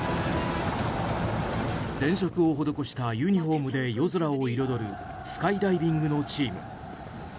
電飾を施したユニホームで夜空を彩るスカイダイビングのチーム。